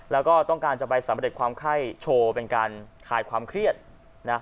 แล้วก็ต้องการจะไปสำเร็จความไข้โชว์เป็นการคลายความเครียดนะ